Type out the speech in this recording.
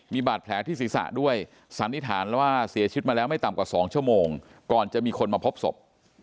มีบาดแผลที่ศีรษะด้วยสันนิษฐานแล้วว่าเสียชีวิตมาแล้วไม่ต่ำกว่า๒ชั่วโมงก่อนจะมีคนมาพบศพ